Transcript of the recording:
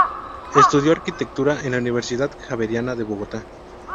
Estudió arquitectura en la Universidad Javeriana de Bogotá.